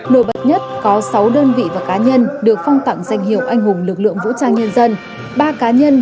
nổi bật nhất có sáu đơn vị và cá nhân được phong tặng danh hiệu anh hùng lực lượng vũ trang nhân dân